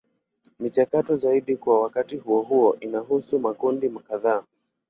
Michakato zaidi kwa wakati huo huo inahusisha makundi kadhaa.